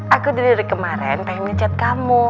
aku dari kemaren pengen chat kamu